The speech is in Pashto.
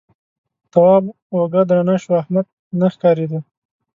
تواب اوږه درنه شوه احمد نه ښکارېده.